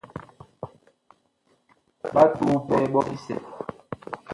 Ɓa tuu pɛɛ ɓɔ bisɛ.